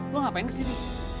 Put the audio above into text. lo ngapain kesini